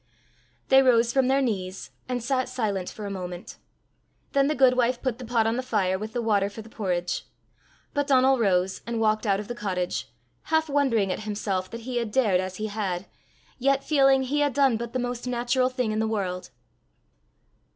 They rose from their knees, and sat silent for a moment. Then the guidwife put the pot on the fire with the water for the porridge. But Donal rose, and walked out of the cottage, half wondering at himself that he had dared as he had, yet feeling he had done but the most natural thing in the world.